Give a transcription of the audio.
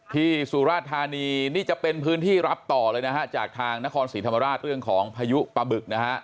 สุราธานีนี่จะเป็นพื้นที่รับต่อเลยนะฮะจากทางนครศรีธรรมราชเรื่องของพายุปะบึกนะฮะ